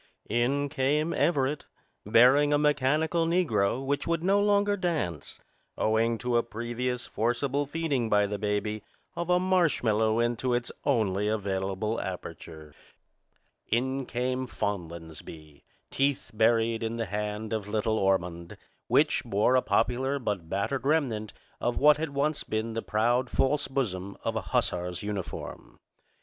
In came Everett, bearing a mechanical negro which would no longer dance, owing to a previous forcible feeding by the baby of a marshmallow into its only available aperture. In came Fonlansbee, teeth buried in the hand of little Ormond, which bore a popular but battered remnant of what had once been the proud false bosom of a hussar's uniform.